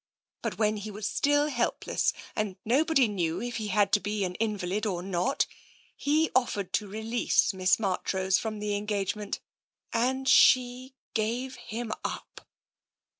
But when he was still helpless, and nobody knew if he had to be an invalid or not, he offered to release Miss Marchrose from the en gagement — and she gave him up."